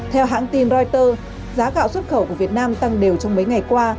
theo hãng tin reuters giá gạo xuất khẩu của việt nam tăng đều trong mấy ngày qua